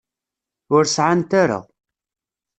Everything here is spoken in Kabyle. Ur sεant ara.